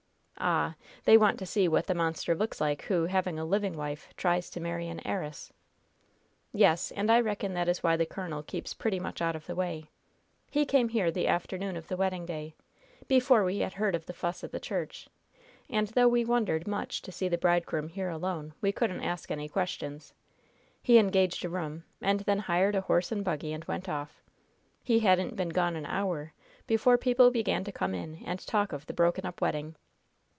"Ah, they want to see what the monster looks like who, having a living wife, tries to marry an heiress!" "Yes; and I reckon that is why the colonel keeps pretty much out of the way. He came here the afternoon of the wedding day, before we had heard of the fuss at the church, and, though we wondered much to see the bridegroom here alone, we couldn't ask any questions. He engaged a room, and then hired a horse and buggy and went off. He hadn't been gone an hour before people began to come in and talk of the broken up wedding.